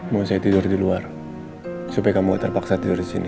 mau saya tidur di luar supaya kamu gak terpaksa tidur disini